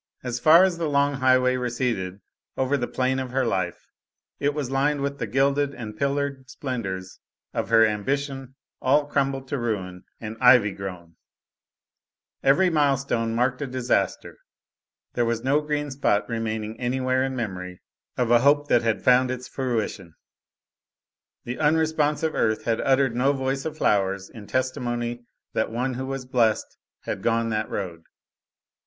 As far as the long highway receded over the plain of her life, it was lined with the gilded and pillared splendors of her ambition all crumbled to ruin and ivy grown; every milestone marked a disaster; there was no green spot remaining anywhere in memory of a hope that had found its fruition; the unresponsive earth had uttered no voice of flowers in testimony that one who was blest had gone that road.